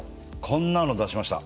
こんなの出しました。